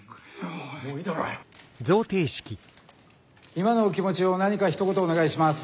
今のお気持ちを何かひと言お願いします。